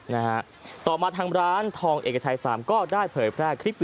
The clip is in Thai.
นี่นี่นี่นี่